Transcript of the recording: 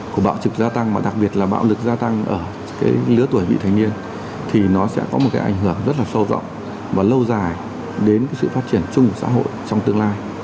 của bạo trực gia tăng mà đặc biệt là bạo lực gia tăng ở cái lứa tuổi vị thành niên thì nó sẽ có một cái ảnh hưởng rất là sâu rộng và lâu dài đến cái sự phát triển chung của xã hội trong tương lai